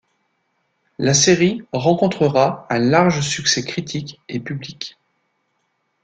La série rencontrera un large succès critique et public.